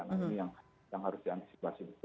nah ini yang harus diantisipasi betul